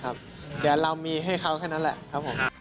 เดี๋ยวเรามีให้เขาแค่นั้นแหละครับผม